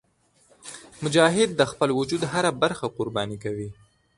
مجاهد د خپل وجود هره برخه قرباني کوي.